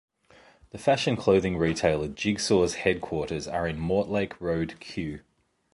The fashion clothing retailer Jigsaw's headquarters are in Mortlake Road, Kew.